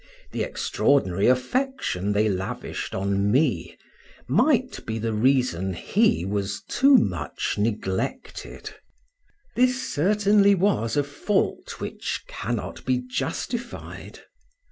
The extraordinary affection they lavished on me might be the reason he was too much neglected: this certainly was a fault which cannot be justified.